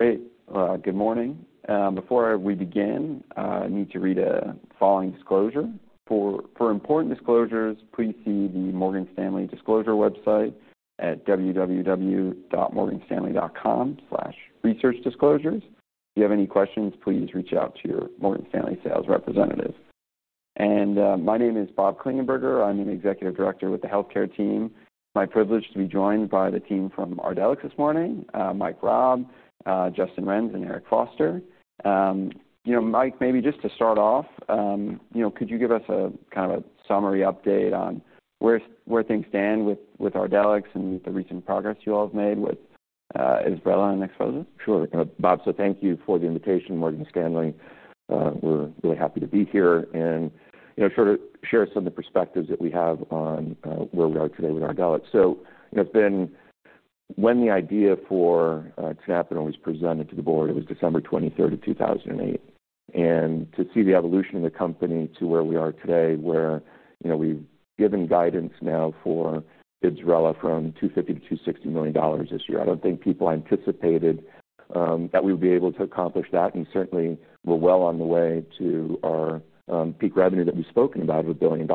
Great. Good morning. Before we begin, I need to read the following disclosure. For important disclosures, please see the Morgan Stanley disclosure website at www.morganstanley.com/researchdisclosures. If you have any questions, please reach out to your Morgan Stanley sales representative. My name is Bob Klingenberger. I'm an Executive Director with the healthcare team. It's my privilege to be joined by the team from Ardelyx this morning, Mike Raab, Justin Renz, and Eric Foster. Mike, maybe just to start off, could you give us a kind of a summary update on where things stand with Ardelyx and the recent progress you all have made with IBSRELA and XPHOZAH? Sure. Bob, thank you for the invitation, Morgan Stanley. We're really happy to be here and share some of the perspectives that we have on where we are today with Ardelyx. When the idea for tenapanor had always presented to the board, it was December 23th, 2008. To see the evolution of the company to where we are today, we've given guidance now for IBSRELA from $250 million to $260 million this year. I don't think people anticipated that we would be able to accomplish that, and certainly we're well on the way to our peak revenue that we've spoken about of $1 billion.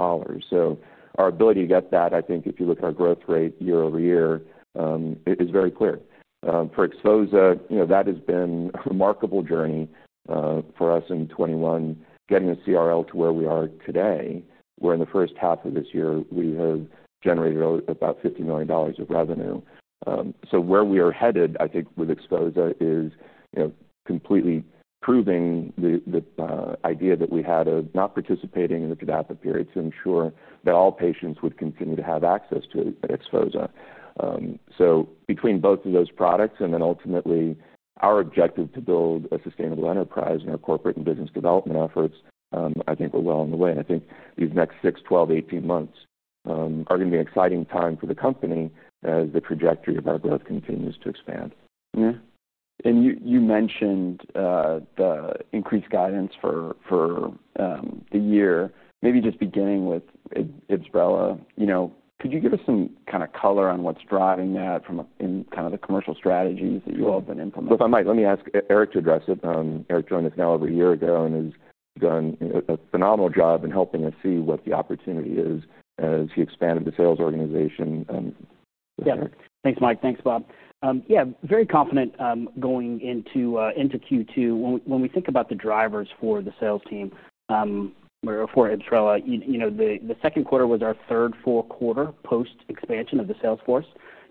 Our ability to get that, I think if you look at our growth rate year-over-year, it is very clear. For XPHOZAH, that has been a remarkable journey for us in 2021, getting the CRL to where we are today, where in the first half of this year we have generated about $50 million of revenue. Where we are headed, I think with XPHOZAH, is completely proving the idea that we had of not participating in the tenapanor period to ensure that all patients would continue to have access to XPHOZAH. Between both of those products and ultimately our objective to build a sustainable enterprise in our corporate and business development efforts, I think we're well on the way. I think these next 6, 12, 18 months are going to be an exciting time for the company as the trajectory of our growth continues to expand. Yeah. You mentioned the increased guidance for the year. Maybe just beginning with IBSRELA, could you give us some kind of color on what's driving that from the commercial strategies that you all have been implementing? Let me ask Eric to address it. Eric joined us now over a year ago and has done a phenomenal job in helping us see what the opportunity is as he expanded the sales organization. Thanks, Mike. Thanks, Bob. Yeah, very confident going into Q2. When we think about the drivers for the sales team for IBSRELA, the second quarter was our third full quarter post-expansion of the sales force.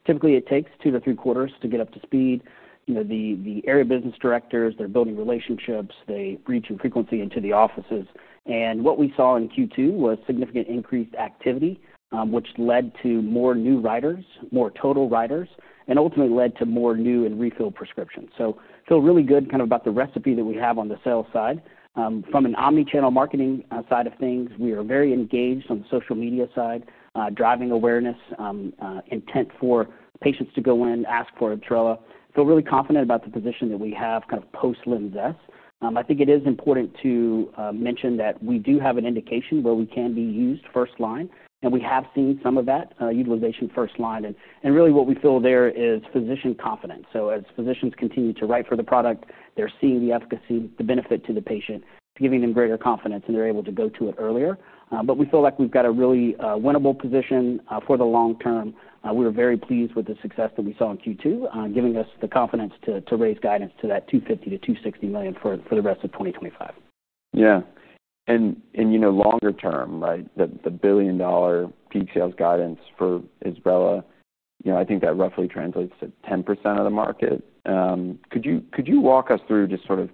Typically, it takes two to three quarters to get up to speed. The area business directors, they're building relationships, they reach in frequency into the offices. What we saw in Q2 was significant increased activity, which led to more new writers, more total writers, and ultimately led to more new and refilled prescriptions. I feel really good kind of about the recipe that we have on the sales side. From an omnichannel marketing side of things, we are very engaged on the social media side, driving awareness, intent for patients to go in, ask for IBSRELA. I feel really confident about the position that we have kind of post Linzess. I think it is important to mention that we do have an indication where we can be used first line, and we have seen some of that utilization first line. What we feel there is physician confidence. As physicians continue to write for the product, they're seeing the efficacy, the benefit to the patient, giving them greater confidence, and they're able to go to it earlier. We feel like we've got a really winnable position for the long term. We were very pleased with the success that we saw in Q2, giving us the confidence to raise guidance to that $250 to $260 million for the rest of 2025. Yeah. You know, longer term, like the $1 billion peak sales guidance for IBSRELA, I think that roughly translates to 10% of the market. Could you walk us through just sort of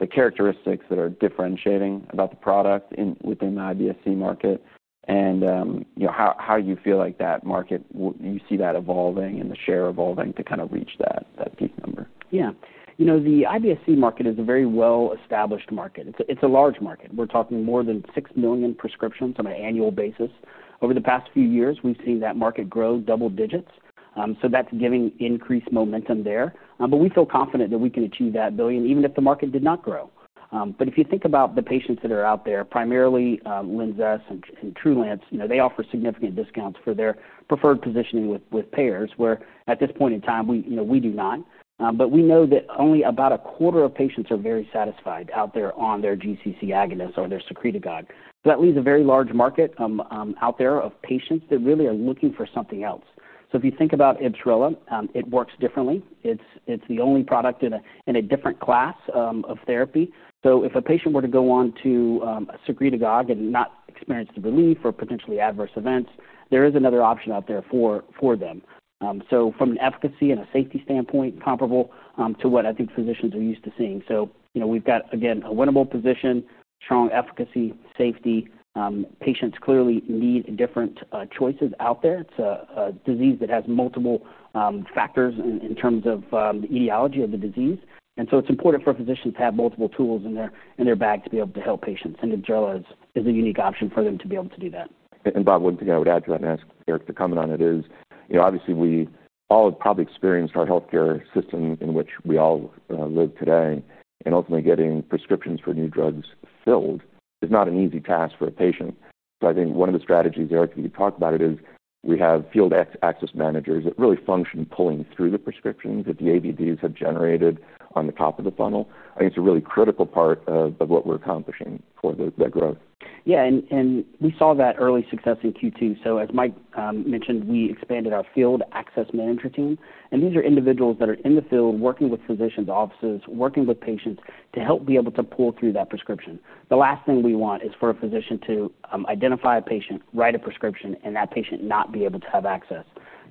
the characteristics that are differentiating about the product within the IBS-C market and how you feel like that market, you see that evolving and the share evolving to kind of reach that peak number? Yeah. You know, the IBS-C market is a very well-established market. It's a large market. We're talking more than 6 million prescriptions on an annual basis. Over the past few years, we've seen that market grow double digits. That's giving increased momentum there. We feel confident that we can achieve that billion even if the market did not grow. If you think about the patients that are out there, primarily Linzess and Trulance, they offer significant discounts for their preferred positioning with payers, where at this point in time, we do not. We know that only about a quarter of patients are very satisfied out there on their GCC agonist or their secretagogue. That leaves a very large market out there of patients that really are looking for something else. If you think about IBSRELA, it works differently. It's the only product in a different class of therapy. If a patient were to go on to a secretagogue and not experience the relief or potentially adverse events, there is another option out there for them. From an efficacy and a safety standpoint, comparable to what I think physicians are used to seeing. We've got, again, a winnable position, strong efficacy, safety. Patients clearly need different choices out there. It's a disease that has multiple factors in terms of the etiology of the disease. It's important for physicians to have multiple tools in their bag to be able to help patients. IBSRELA is a unique option for them to be able to do that. One thing I would add to that and ask Eric to comment on it is, you know, obviously we all have probably experienced our health care system in which we all live today. Ultimately, getting prescriptions for new drugs filled is not an easy task for a patient. I think one of the strategies, Eric, you talked about it, is we have field access managers that really function pulling through the prescriptions that the ABDs have generated on the top of the funnel. I think it's a really critical part of what we're accomplishing for that growth. Yeah. We saw that early success in Q2. As Mike mentioned, we expanded our field access manager team. These are individuals that are in the field working with physicians' offices, working with patients to help be able to pull through that prescription. The last thing we want is for a physician to identify a patient, write a prescription, and that patient not be able to have access.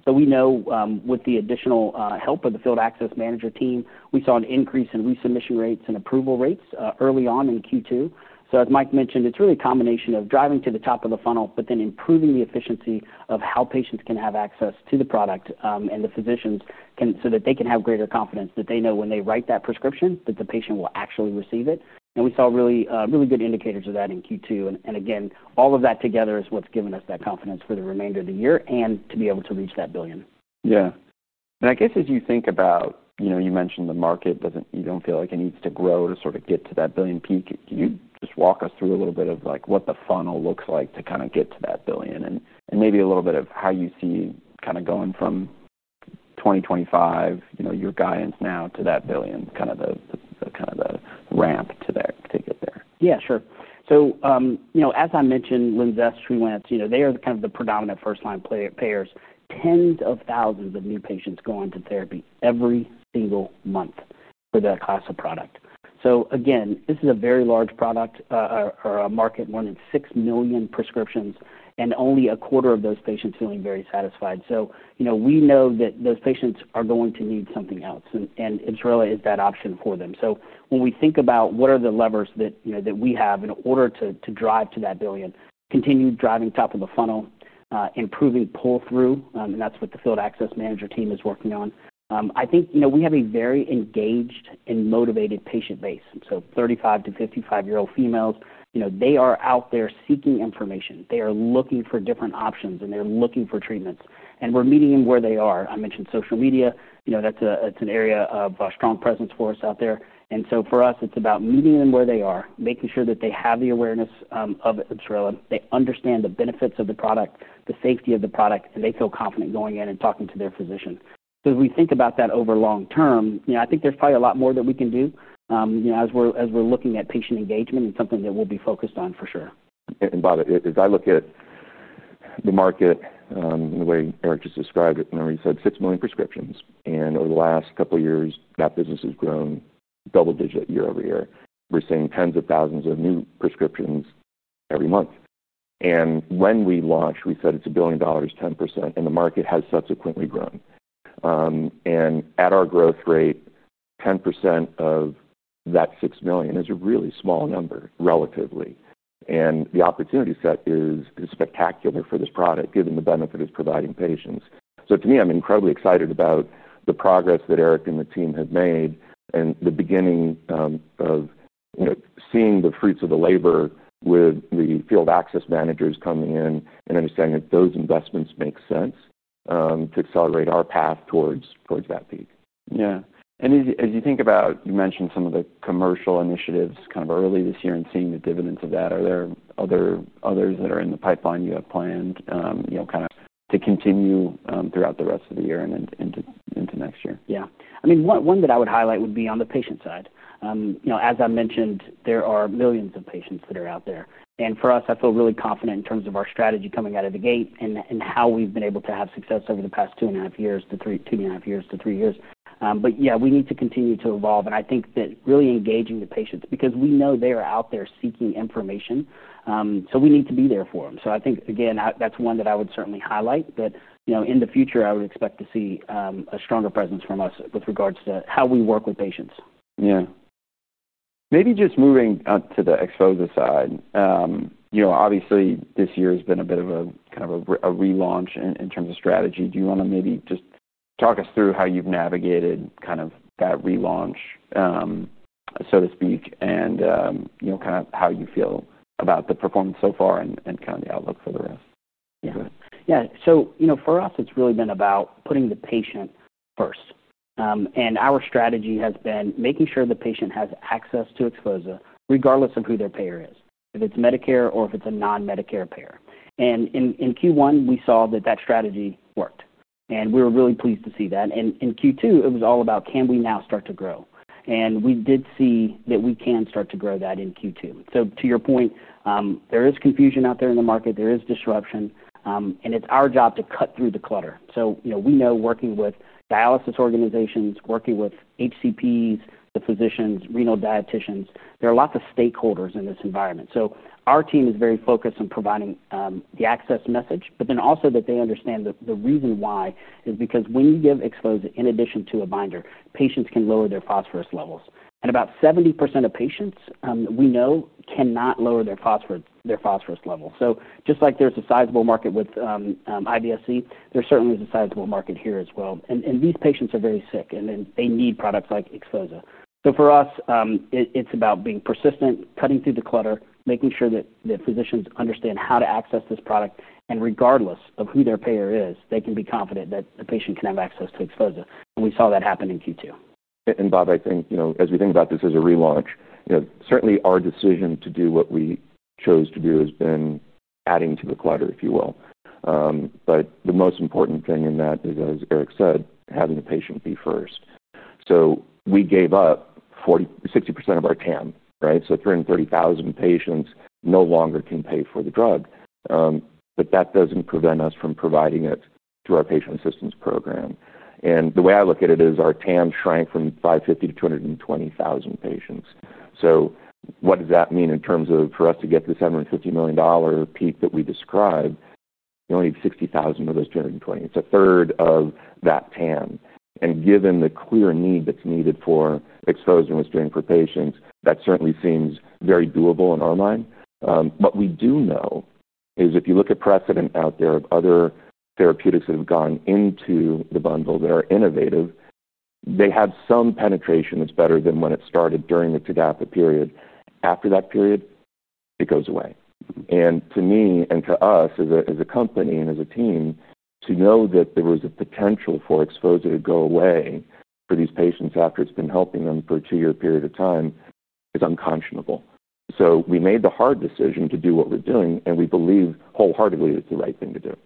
We know with the additional help of the field access manager team, we saw an increase in resubmission rates and approval rates early on in Q2. As Mike mentioned, it's really a combination of driving to the top of the funnel, but then improving the efficiency of how patients can have access to the product and the physicians so that they can have greater confidence that they know when they write that prescription, the patient will actually receive it. We saw really good indicators of that in Q2. All of that together is what's given us that confidence for the remainder of the year and to be able to reach that billion. As you think about, you mentioned the market doesn't, you don't feel like it needs to grow to sort of get to that billion peak. Can you just walk us through a little bit of what the funnel looks like to kind of get to that billion and maybe a little bit of how you see going from 2025, your guidance now to that billion, the ramp to get there? Yeah, sure. As I mentioned, Linzess, Trulance®, they are kind of the predominant first-line payers. Tens of thousands of new patients go on to therapy every single month for that class of product. This is a very large product or a market, more than 6 million prescriptions, and only a quarter of those patients feeling very satisfied. We know that those patients are going to need something else, and IBSRELA is that option for them. When we think about what are the levers that we have in order to drive to that billion, continue driving top of the funnel, improving pull-through, that's what the field access manager team is working on. I think we have a very engaged and motivated patient base. 35 - 55-year-old females, they are out there seeking information. They are looking for different options, and they're looking for treatments. We're meeting them where they are. I mentioned social media, that's an area of strong presence for us out there. For us, it's about meeting them where they are, making sure that they have the awareness of IBSRELA. They understand the benefits of the product, the safety of the product, and they feel confident going in and talking to their physician. As we think about that over long term, I think there's probably a lot more that we can do as we're looking at patient engagement and something that we'll be focused on for sure. Bob, as I look at the market, the way Eric just described it, remember you said 6 million prescriptions, and over the last couple of years, that business has grown double digit year-over-year. We're seeing tens of thousands of new prescriptions every month. When we launched, we said it's a billion dollars, 10%, and the market has subsequently grown. At our growth rate, 10% of that 6 million is a really small number, relatively. The opportunity set is spectacular for this product, given the benefit of providing patients. To me, I'm incredibly excited about the progress that Eric and the team have made and the beginning of seeing the fruits of the labor with the field access managers coming in and understanding that those investments make sense to accelerate our path towards that peak. As you think about, you mentioned some of the commercial initiatives kind of early this year and seeing the dividends of that. Are there others that are in the pipeline you have planned to continue throughout the rest of the year and into next year? Yeah. One that I would highlight would be on the patient side. As I mentioned, there are millions of patients that are out there. For us, I feel really confident in terms of our strategy coming out of the gate and how we've been able to have success over the past two and a half years to three years. We need to continue to evolve. I think that really engaging the patients, because we know they are out there seeking information, we need to be there for them. I think that's one that I would certainly highlight. In the future, I would expect to see a stronger presence from us with regards to how we work with patients. Yeah. Maybe just moving to the XPHOZAH side, obviously this year has been a bit of a kind of a relaunch in terms of strategy. Do you want to maybe just talk us through how you've navigated kind of that relaunch, so to speak, and how you feel about the performance so far and the outlook for the rest? Yeah. Yeah. For us, it's really been about putting the patient first. Our strategy has been making sure the patient has access to XPHOZAH, regardless of who their payer is, if it's Medicare or if it's a non-Medicare payer. In Q1, we saw that that strategy worked. We were really pleased to see that. In Q2, it was all about, can we now start to grow? We did see that we can start to grow that in Q2. To your point, there is confusion out there in the market. There is disruption. It's our job to cut through the clutter. We know working with dialysis organizations, working with HCPs, the physicians, renal dietitians, there are lots of stakeholders in this environment. Our team is very focused on providing the access message, but then also that they understand that the reason why is because when you give XPHOZAH, in addition to a binder, patients can lower their phosphorus levels. About 70% of patients, we know, cannot lower their phosphorus levels. Just like there's a sizable market with IBSRELA, there certainly is a sizable market here as well. These patients are very sick, and they need products like XPHOZAH. For us, it's about being persistent, cutting through the clutter, making sure that physicians understand how to access this product. Regardless of who their payer is, they can be confident that a patient can have access to XPHOZAH. We saw that happen in Q2. Bob, I think, you know, as we think about this as a relaunch, certainly our decision to do what we chose to do has been adding to the clutter, if you will. The most important thing in that is, as Eric said, having the patient be first. We gave up 60% of our TAM, right? 330,000 patients no longer can pay for the drug. That doesn't prevent us from providing it through our patient assistance program. The way I look at it is our TAM shrank from 550,000 to 220,000 patients. What does that mean in terms of for us to get to the $750 million peak that we described? You only need 60,000 of those 220,000. It's a third of that TAM. Given the clear need that's needed for XPHOZAH, which is doing for patients, that certainly seems very doable in our mind. What we do know is if you look at precedent out there of other therapeutics that have gone into the bundle that are innovative, they have some penetration that's better than when it started during the TNAP period. After that period, it goes away. To me and to us as a company and as a team, to know that there was a potential for XPHOZAH to go away for these patients after it's been helping them for a two-year period of time is unconscionable. We made the hard decision to do what we're doing, and we believe wholeheartedly it's the right thing to do.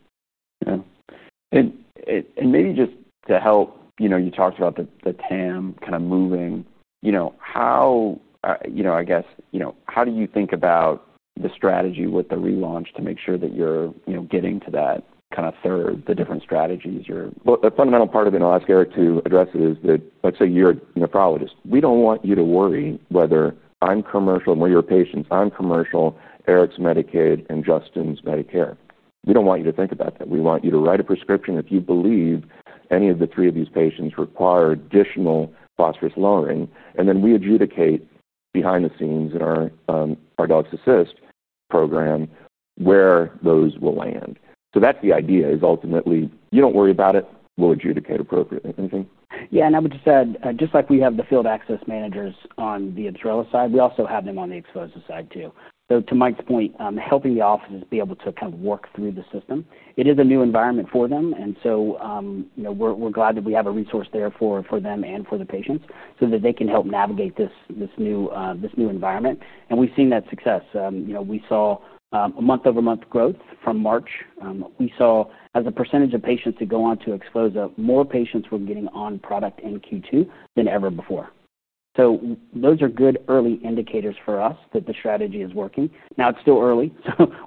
Maybe just to help, you talked about the TAM kind of moving. How do you think about the strategy with the relaunch to make sure that you're getting to that kind of third, the different strategies you're? A fundamental part of it, and I'll ask Eric to address it, is that, like, you're a nephrologist. We don't want you to worry whether I'm commercial, and we're your patients, I'm commercial, Eric's Medicaid, and Justin's Medicare. We don't want you to think about that. We want you to write a prescription if you believe any of the three of these patients require additional phosphorus lowering. Then we adjudicate behind the scenes in our Ardelyx Assist program where those will land. That's the idea, is ultimately, you don't worry about it. We'll adjudicate appropriately. Anything? Yeah. I would just add, just like we have the field access managers on the IBSRELA side, we also have them on the XPHOZAH side too. To Mike's point, helping the offices be able to kind of work through the system, it is a new environment for them. We're glad that we have a resource there for them and for the patients so that they can help navigate this new environment. We've seen that success. We saw month-over-month growth from March. We saw, as a percentage of patients that go on to XPHOZAH, more patients were getting on product in Q2 than ever before. Those are good early indicators for us that the strategy is working. It's still early.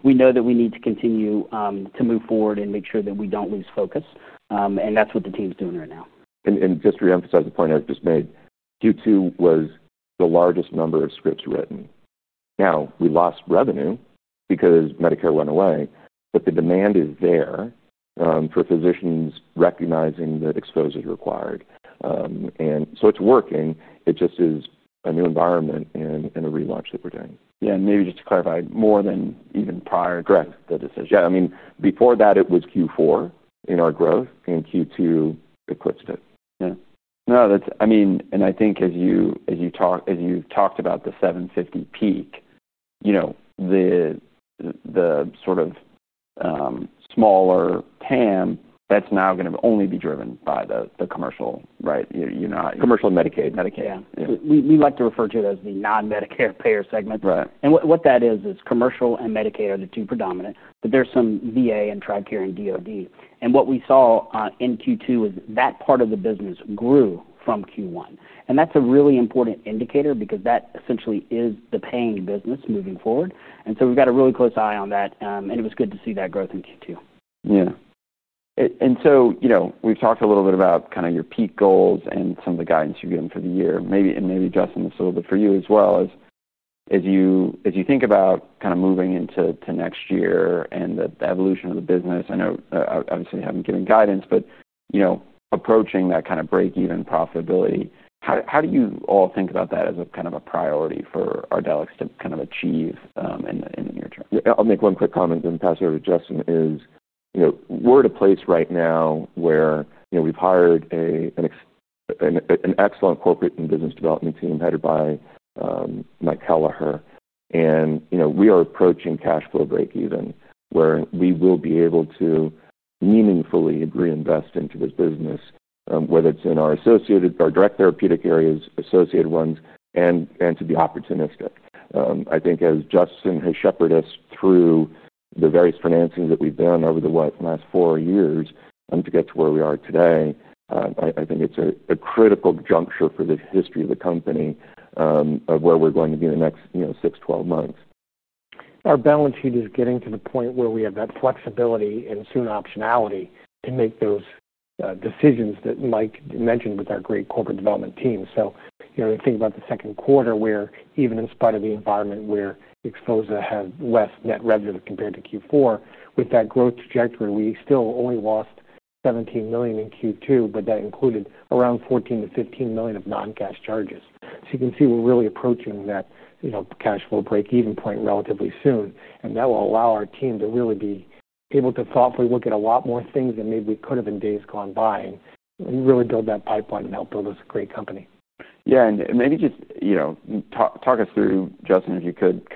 We know that we need to continue to move forward and make sure that we don't lose focus. That's what the team's doing right now. To reemphasize the point I just made, Q2 was the largest number of scripts written. We lost revenue because Medicare went away, but the demand is there for physicians recognizing that XPHOZAH is required. It's working. It just is a new environment and a relaunch that we're doing. Maybe just to clarify, more than even prior to the decision. Yeah, before that, it was Q4 in our growth, and Q2 eclipsed it. Yeah, no, that's, I mean, as you talked about the $750 million peak, you know, the sort of smaller total addressable market, that's now going to only be driven by the commercial, right? You're not commercial Medicaid. Medicaid. Yeah, we like to refer to it as the non-Medicare payer segment. Right. What that is, is commercial and Medicaid are the two predominant, but there's some VA and Tricare and DOD. What we saw in Q2 was that part of the business grew from Q1. That's a really important indicator because that essentially is the paying business moving forward. We've got a really close eye on that. It was good to see that growth in Q2. Yeah, we've talked a little bit about kind of your peak goals and some of the guidance you're getting for the year. Maybe addressing this a little bit for you as well as you think about kind of moving into next year and the evolution of the business. I know, obviously, having given guidance, but you know, approaching that kind of break-even profitability, how do you all think about that as a kind of a priority for Ardelyx to achieve in your terms? I'll make one quick comment and then pass it over to Justin. We're at a place right now where we've hired an excellent corporate and business development team headed by Mike Kelleher. We're approaching cash flow break-even where we will be able to meaningfully reinvest into this business, whether it's in our direct therapeutic areas, associated ones, and to be opportunistic. I think as Justin has shepherded us through the various financing that we've done over the last four years to get to where we are today, it's a critical juncture for the history of the company of where we're going to be in the next 6, 12 months. Our balance sheet is getting to the point where we have that flexibility and soon optionality to make those decisions that Mike mentioned with our great corporate development team. Think about the second quarter where, even in spite of the environment where XPHOZAH had less net revenue compared to Q4, with that growth trajectory, we still only lost $17 million in Q2, but that included around $14 - $15 million of non-cash charges. You can see we're really approaching that cash flow break-even point relatively soon. That will allow our team to really be able to thoughtfully look at a lot more things that maybe we could have in days gone by and really build that pipeline and help build us a great company. Maybe just talk us through, Justin, if you could,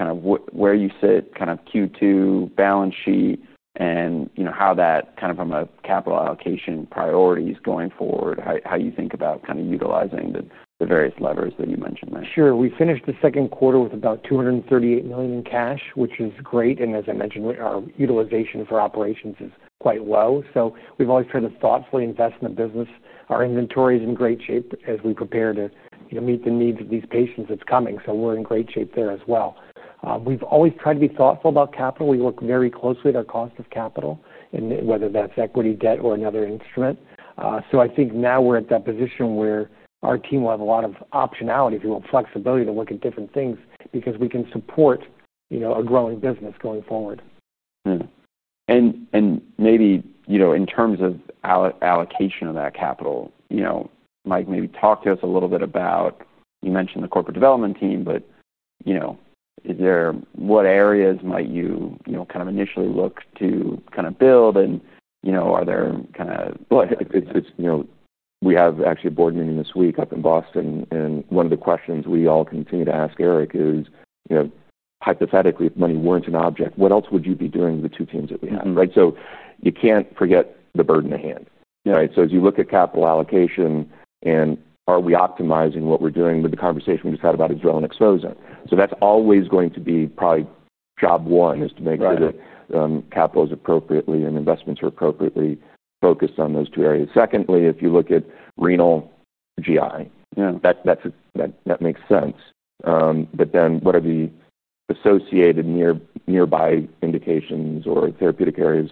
where you sit, Q2 balance sheet, and how that on a capital allocation priority is going forward, how you think about utilizing the various levers that you mentioned there. Sure. We finished the second quarter with about $238 million in cash, which is great. As I mentioned, our utilization for operations is quite low. We've always tried to thoughtfully invest in the business. Our inventory is in great shape as we prepare to meet the needs of these patients that's coming. We're in great shape there as well. We've always tried to be thoughtful about capital. We look very closely at our cost of capital, and whether that's equity, debt, or another instrument. I think now we're at that position where our team will have a lot of optionality, if you will, flexibility to look at different things because we can support, you know, a growing business going forward. In terms of allocation of that capital, Mike, maybe talk to us a little bit about, you mentioned the corporate development team, but is there what areas might you initially look to build? Are there kind of... It's, you know, we have actually a board meeting this week up in Boston. One of the questions we all continue to ask Eric is, you know, hypothetically, if money weren't an object, what else would you be doing with the two teams that we have, right? You can't forget the burden at hand, right? As you look at capital allocation and are we optimizing what we're doing with the conversation we just had about IBSRELA and XPHOZAH, that's always going to be probably job one, to make sure that capital is appropriately and investments are appropriately focused on those two areas. Secondly, if you look at renal, GI, that makes sense. What are the associated nearby indications or therapeutic areas,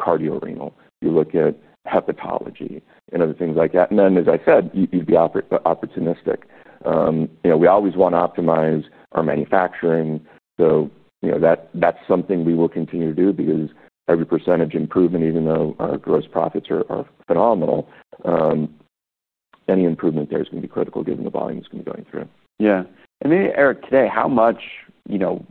cardiorenal? If you look at hepatology and other things like that. As I said, you'd be opportunistic. We always want to optimize our manufacturing. That's something we will continue to do because every percentage improvement, even though our gross profits are phenomenal, any improvement there is going to be critical given the volumes we're going through. Yeah, maybe, Eric, today, how much, you know,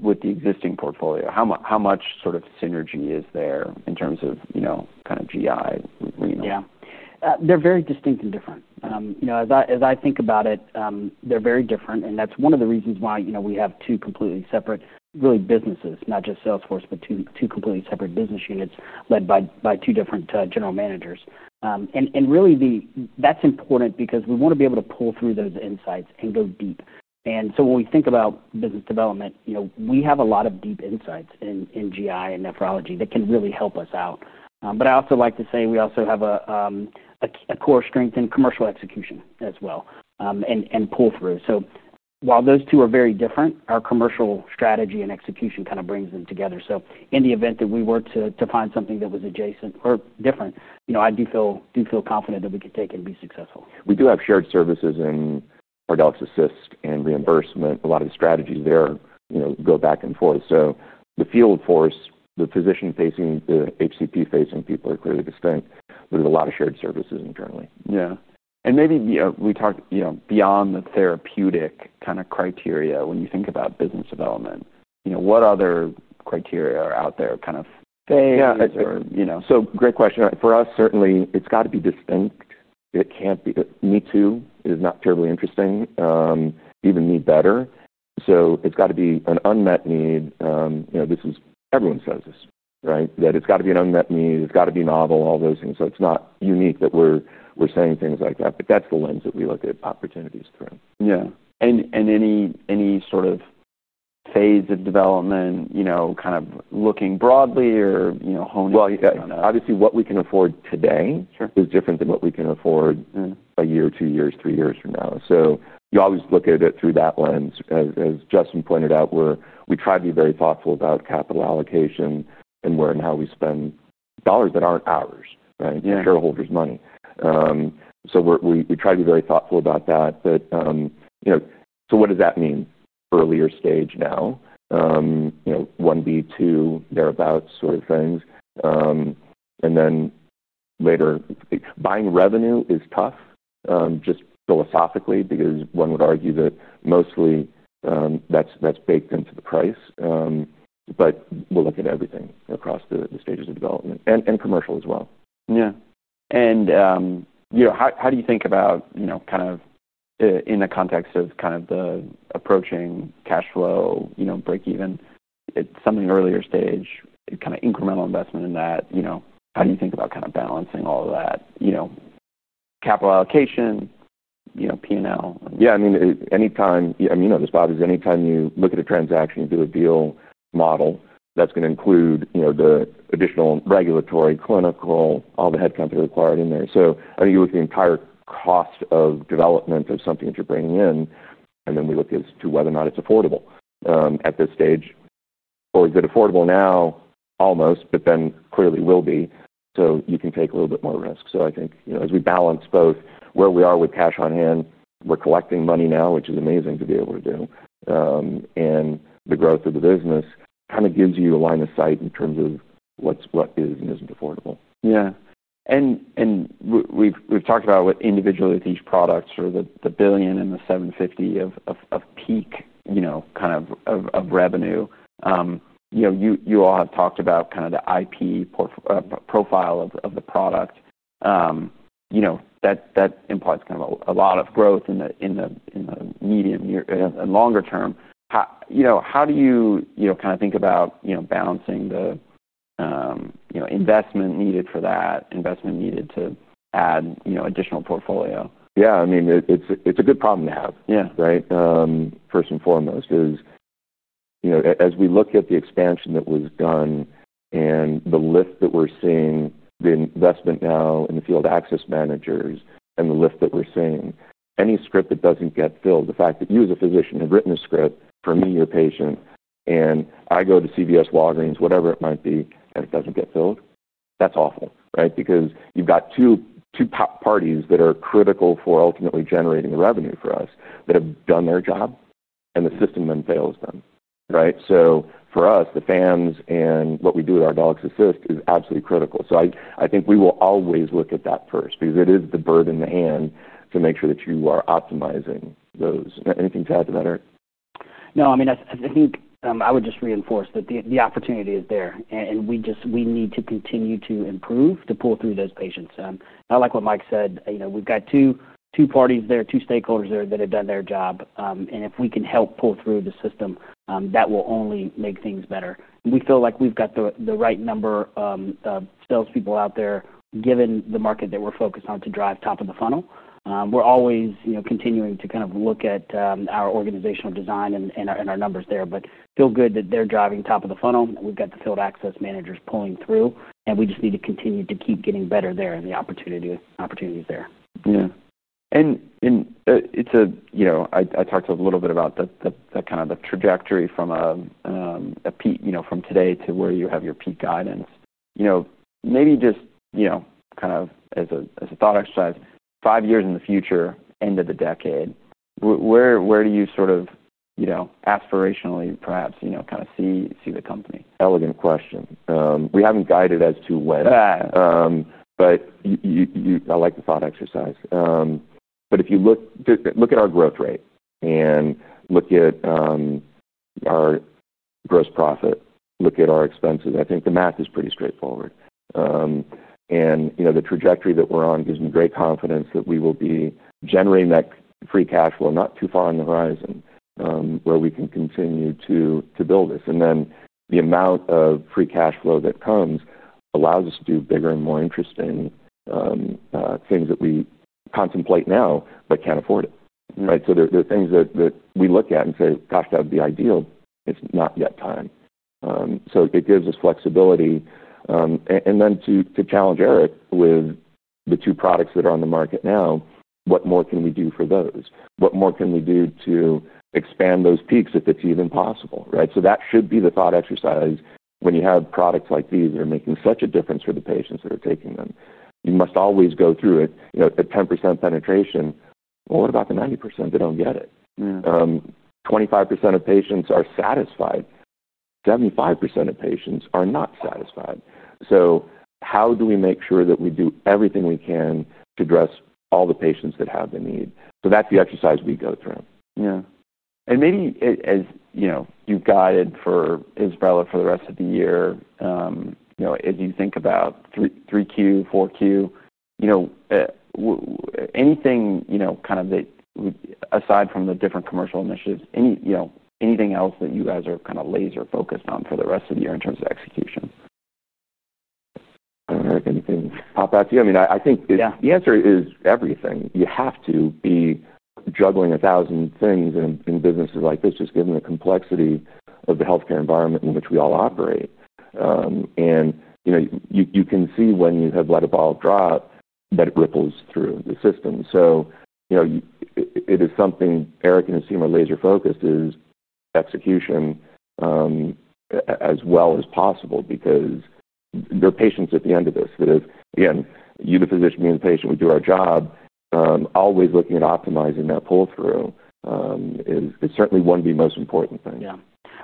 with the existing portfolio, how much sort of synergy is there in terms of, you know, kind of GI? Yeah. They're very distinct and different. As I think about it, they're very different. That's one of the reasons why we have two completely separate, really, businesses, not just Salesforce, but two completely separate business units led by two different General Managers. That's important because we want to be able to pull through those insights and go deep. When we think about business development, we have a lot of deep insights in GI and nephrology that can really help us out. I also like to say we also have a core strength in commercial execution as well and pull through. While those two are very different, our commercial strategy and execution kind of brings them together. In the event that we were to find something that was adjacent or different, I do feel confident that we could take it and be successful. We do have shared services in our access and reimbursement. A lot of the strategies there go back and forth. The field force, the physician-facing, the HCP-facing people are clearly distinct, but there's a lot of shared services internally. Maybe, you know, we talk beyond the therapeutic kind of criteria when you think about business development. What other criteria are out there kind of? Great question. For us, certainly, it's got to be distinct. It can't be me too. It is not terribly interesting, even me better. It's got to be an unmet need. You know, everyone says this, right? That it's got to be an unmet need. It's got to be novel, all those things. It's not unique that we're saying things like that. That's the lens that we look at opportunities through. Yeah, any sort of phase of development, you know, kind of looking broadly or, you know, honing in on that? Obviously, what we can afford today is different than what we can afford a year, two years, three years from now. You always look at it through that lens. As Justin pointed out, we try to be very thoughtful about capital allocation and where and how we spend dollars that aren't ours, right? It's the shareholders' money, so we try to be very thoughtful about that. What does that mean? Earlier stage now, you know, 1B, 2, thereabouts sort of things. Later, buying revenue is tough, just philosophically because one would argue that mostly, that's baked into the price. We'll look at everything across the stages of development and commercial as well. How do you think about, in the context of the approaching cash flow break-even, something earlier stage, incremental investment in that, how do you think about balancing all of that, capital allocation, P&L? Yeah. I mean, anytime, you know this, Bob, anytime you look at a transaction and do a deal model, that's going to include the additional regulatory, clinical, all the headcount that are required in there. I think you look at the entire cost of development of something that you're bringing in, and then we look as to whether or not it's affordable at this stage or is it affordable now, almost, but then clearly will be. You can take a little bit more risk. I think, as we balance both where we are with cash on hand, we're collecting money now, which is amazing to be able to do, and the growth of the business kind of gives you a line of sight in terms of what is and isn't affordable. Yeah. We've talked about with each product, sort of the billion and the $750 million of peak revenue. You all have talked about the IP profile of the product. That implies a lot of growth in the medium and longer term. How do you think about balancing the investment needed for that, investment needed to add additional portfolio? Yeah. I mean, it's a good problem to have, right? First and foremost, because, you know, as we look at the expansion that was done and the lift that we're seeing, the investment now in the field access managers and the lift that we're seeing, any script that doesn't get filled, the fact that you as a physician have written a script for me, your patient, and I go to CVS, Walgreens, whatever it might be, and it doesn't get filled, that's awful, right? Because you've got two parties that are critical for ultimately generating the revenue for us that have done their job, and the system then fails them, right? For us, the field access managers and what we do at Ardelyx is absolutely critical. I think we will always look at that first because it is the bird in the hand to make sure that you are optimizing those. Anything to add to that, Eric? No. I mean, I think I would just reinforce that the opportunity is there, and we just need to continue to improve to pull through those patients. I like what Mike said. We've got two parties there, two stakeholders there that have done their job. If we can help pull through the system, that will only make things better. We feel like we've got the right number of salespeople out there, given the market that we're focused on to drive top of the funnel. We're always continuing to kind of look at our organizational design and our numbers there. It feels good that they're driving top of the funnel. We've got the field access managers pulling through, and we just need to continue to keep getting better there and the opportunity is there. Yeah, it's a, you know, I talked a little bit about the kind of the trajectory from today to where you have your peak guidance. Maybe just, you know, kind of as a thought exercise, five years in the future, end of the decade, where do you sort of, you know, aspirationally perhaps, kind of see the company? Elegant question. We haven't guided as to when. I like the thought exercise. If you look at our growth rate and look at our gross profit, look at our expenses, I think the math is pretty straightforward. The trajectory that we're on gives me great confidence that we will be generating that free cash flow not too far on the horizon where we can continue to build this. The amount of free cash flow that comes allows us to do bigger and more interesting things that we contemplate now but can't afford, right? There are things that we look at and say, "Gosh, that would be ideal." It's not yet time. It gives us flexibility. To challenge Eric with the two products that are on the market now, what more can we do for those? What more can we do to expand those peaks if it's even possible, right? That should be the thought exercise. When you have products like these that are making such a difference for the patients that are taking them, you must always go through it. At 10% penetration, what about the 90% that don't get it? 25% of patients are satisfied. 75% of patients are not satisfied. How do we make sure that we do everything we can to address all the patients that have the need? That's the exercise we go through. As you've guided for IBSRELA for the rest of the year, as you think about 3Q, 4Q, is there anything aside from the different commercial initiatives, anything else that you guys are kind of laser-focused on for the rest of the year in terms of executions? Eric, anything pop out to you? I mean, I think the answer is everything. You have to be juggling a thousand things in businesses like this, just given the complexity of the healthcare environment in which we all operate. You can see when you have let a ball drop that it ripples through the system. It is something Eric and his team are laser-focused on, is execution as well as possible because there are patients at the end of this that have, again, you the physician, me the patient, we do our job. Always looking at optimizing that pull-through is certainly one of the most important things. Yeah.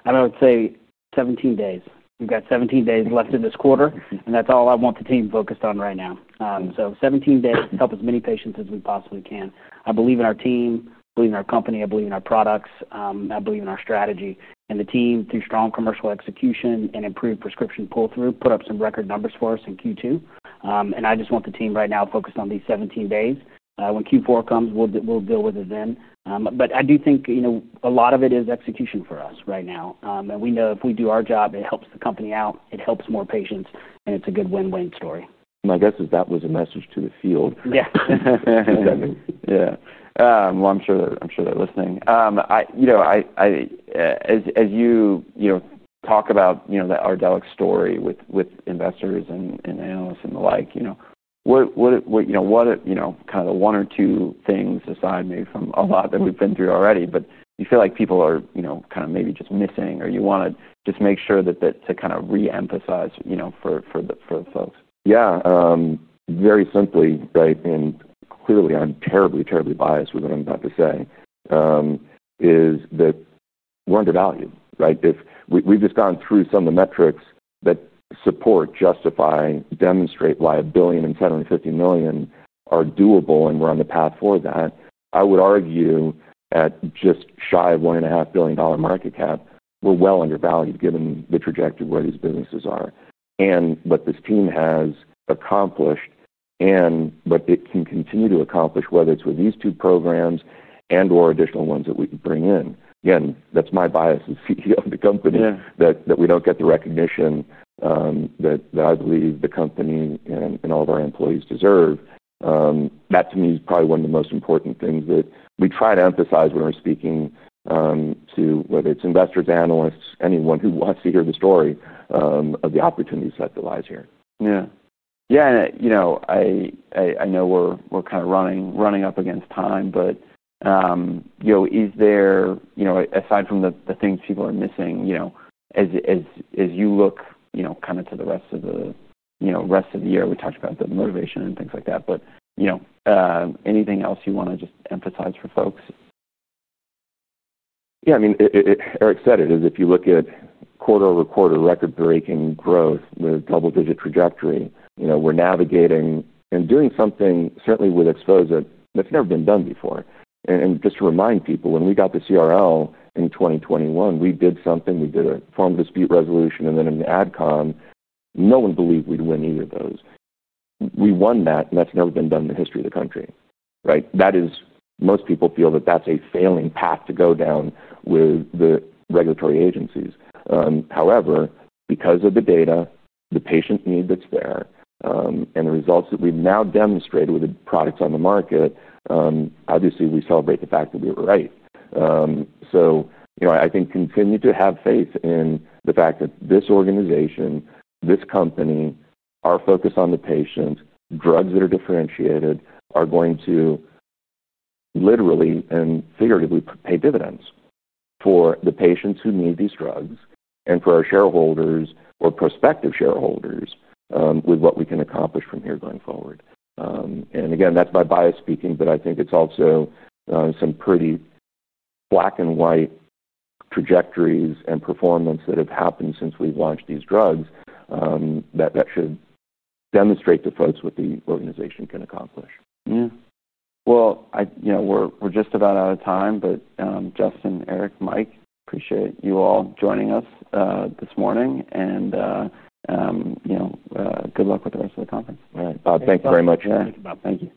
I would say 17 days. We've got 17 days left in this quarter, and that's all I want the team focused on right now. 17 days to help as many patients as we possibly can. I believe in our team, I believe in our company, I believe in our products, I believe in our strategy. The team, through strong commercial execution and improved prescription pull-through, put up some record numbers for us in Q2. I just want the team right now focused on these 17 days. When Q4 comes, we'll deal with it then. I do think a lot of it is execution for us right now. We know if we do our job, it helps the company out, it helps more patients, and it's a good win-win story. My guess is that was a message to the field. Yeah. Exactly. I'm sure they're listening. As you talk about the Ardelyx story with investors and analysts and the like, what are the one or two things, aside maybe from a lot that we've been through already, that you feel like people are maybe just missing or you want to make sure to reemphasize for the folks? Yeah. Very simply, right, and clearly, I'm terribly, terribly biased with what I'm about to say, is that we're undervalued, right? We've just gone through some of the metrics that support, justify, demonstrate why $1 billion and $750 million are doable and we're on the path for that. I would argue at just shy of $1.5 billion market cap, we're well undervalued given the trajectory of where these businesses are and what this team has accomplished and what it can continue to accomplish, whether it's with these two programs and/or additional ones that we can bring in. Again, that's my bias as CTO of the company that we don't get the recognition that I believe the company and all of our employees deserve. That, to me, is probably one of the most important things that we try to emphasize when we're speaking to whether it's investors or analysts, anyone who wants to hear the story of the opportunities that lie here Yeah. I know we're kind of running up against time, but is there, aside from the things people are missing, as you look to the rest of the year, we talked about the motivation and things like that. Anything else you want to just emphasize for folks? Yeah. I mean, Eric said it, if you look at quarter-over-quarter, record-breaking growth, the double-digit trajectory, you know, we're navigating and doing something certainly with XPHOZAH that's never been done before. Just to remind people, when we got the CRL in 2021, we did something. We did a formal dispute resolution and then an advisory committee. No one believed we'd win either of those. We won that, and that's never been done in the history of the country, right? That is, most people feel that that's a failing path to go down with the regulatory agencies. However, because of the data, the patient need that's there, and the results that we've now demonstrated with the products on the market, obviously, we celebrate the fact that we were right. I think continue to have faith in the fact that this organization, this company, our focus on the patient, drugs that are differentiated, are going to literally and figuratively pay dividends for the patients who need these drugs and for our shareholders or prospective shareholders with what we can accomplish from here going forward. Again, that's my bias speaking, but I think it's also some pretty black and white trajectories and performance that have happened since we've launched these drugs that should demonstrate to folks what the organization can accomplish. We're just about out of time. Justin, Eric, Mike, appreciate you all joining us this morning. Good luck with the rest of the conference. All right, Bob. Thank you very much. Thank you, Bob.